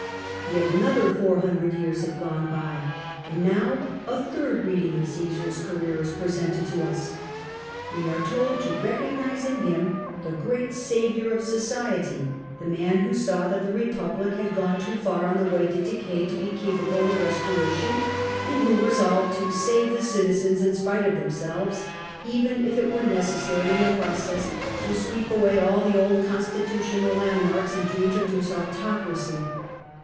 Yet another four hundred years have gone by, and now a third reading of Omsar's career is prcHcuied to us. We are told to recognise in him tlia groat '^saviour of society"; the man who saw that the Republic had gone too far on the way to decay to be (capable of restoration, and who resolved to save the citizens in spite of themselves, oven if it were n<3('essiiry in the prt)ces8 CJESAE'S PLACE IN HISTOEY 291 to sweep away all the old constitutional landmarks and to introduce autocracy.